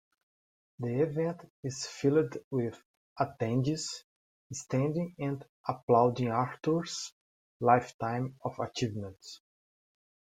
The event is filled with attendees standing and applauding Arthur's lifetime of achievements.